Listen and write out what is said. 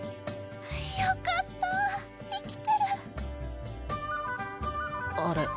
よかった生きてるあれ？